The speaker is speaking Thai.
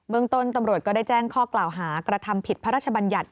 เมืองต้นตำรวจก็ได้แจ้งข้อกล่าวหากระทำผิดพระราชบัญญัติ